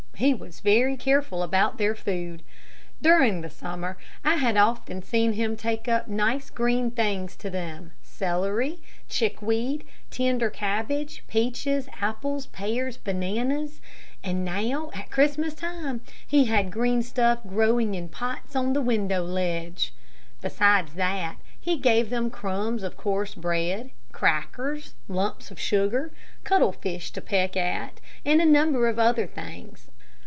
He was very careful about their food. During the summer I had often seen him taking up nice green things to them: celery, chickweed, tender cabbage, peaches, apples, pears, bananas; and now at Christmas time, he had green stuff growing in pots on the window ledge. Besides that he gave them crumbs of coarse bread, crackers, lumps of sugar, cuttle fish to peck at, and a number of other things.